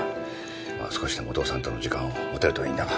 まぁ少しでもお父さんとの時間を持てるといいんだが。